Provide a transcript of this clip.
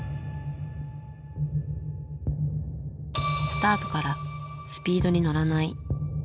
スタートからスピードに乗らない。